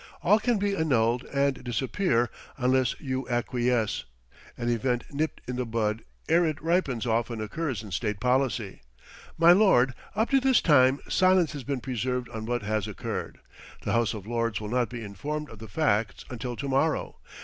All can be annulled and disappear, unless you acquiesce. An event nipped in the bud ere it ripens often occurs in state policy. My lord, up to this time silence has been preserved on what has occurred. The House of Lords will not be informed of the facts until to morrow.